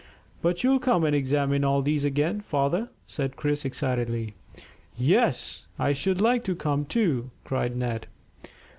"But you'll come and examine all this again, father?" said Chris excitedly. "Yes, I should like to come too," cried Ned.